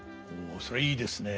それはいいですね。